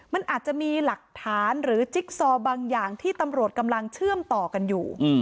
มันอาจจะมีหลักฐานหรือจิ๊กซอบางอย่างที่ตำรวจกำลังเชื่อมต่อกันอยู่